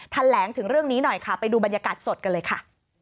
แถลงถึงเรื่องนี้หน่อยค่ะไปดูบรรยากาศสดกันเลยค่ะ